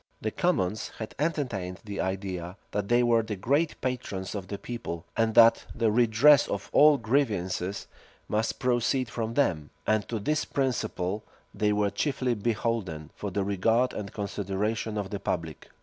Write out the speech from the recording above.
[*] The commons had entertained the idea, that they were the great patrons of the people, and that the redress of all grievances must proceed from them; and to this principle they were chiefly beholden for the regard and consideration of the public.